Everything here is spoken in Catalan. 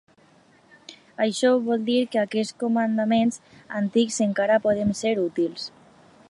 Això vol dir que aquests comandaments antics encara poden ser útils.